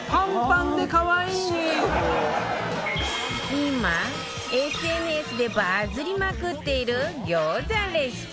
今 ＳＮＳ でバズりまくっている餃子レシピ